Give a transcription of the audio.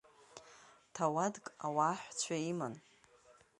Ҭауадк ауааҳәцәа иман.